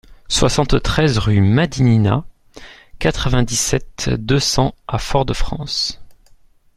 soixante-treize rue Madinina, quatre-vingt-dix-sept, deux cents à Fort-de-France